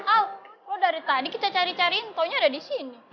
al lo dari tadi kita cari cariin tohnya ada di sini